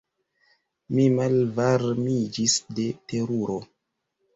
Mi malvarmiĝis de teruro.